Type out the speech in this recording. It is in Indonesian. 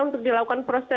untuk dilakukan pemeriksaan